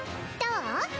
どう？